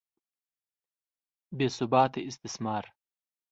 بې ثباته استثمار.